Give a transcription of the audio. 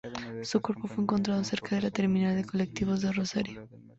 Su cuerpo fue encontrado cerca de la terminal de colectivos de Rosario.